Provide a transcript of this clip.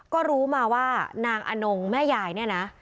ก็รู้มาว่านางอนงแม่ยายเนี่ยนะ